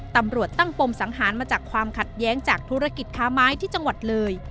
ตำรวจตั้งปมสังหารมาจากความขัดแย้งจากธุรกิจค้าไม้ที่จังหวัดเลย